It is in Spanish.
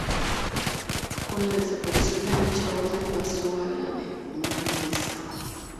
Con la desaparición de dicha orden pasó a la de Montesa.